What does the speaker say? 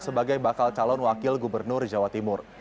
sebagai bakal calon wakil gubernur jawa timur